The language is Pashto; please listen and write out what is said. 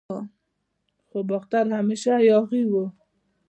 خو باختر همیشه یاغي و